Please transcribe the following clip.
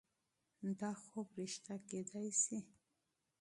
دا خوب رښتیا کیدای شي.